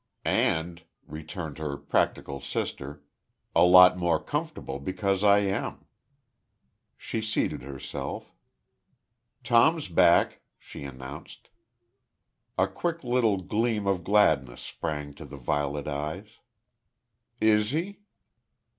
"And," returned her practical sister, "a lot more comfortable because I am." She seated herself. "Tom's back," she announced. A quick little gleam of gladness sprang to the violet eyes. "Is he?"